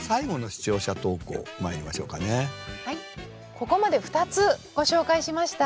ここまで２つご紹介しました。